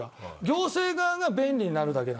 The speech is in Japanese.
行政側が便利になるだけ。